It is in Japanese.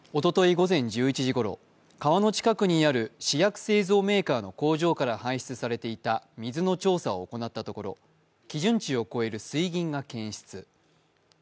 午前１１時ごろ、川の近くにある試薬製造メーカーの工場から排出されていた水の調査を行ったところ、基準地を超える水銀が検出。